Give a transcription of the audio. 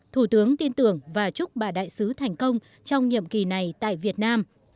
thủ tướng tin tưởng và chúc bà đại sứ thành công trong nhiệm kỳ này tại việt nam